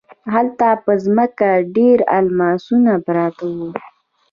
هلته په ځمکه ډیر الماسونه پراته وو.